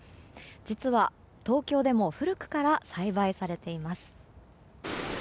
実は、東京でも古くから栽培されています。